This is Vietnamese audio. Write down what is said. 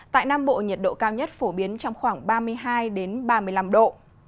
tại nam bộ nhiệt độ cao nhất phổ biến trong khoảng ba mươi hai ba mươi năm độ